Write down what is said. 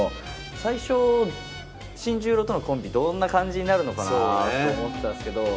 最初新十郎とのコンビどんな感じになるのかなあって思ったんすけど。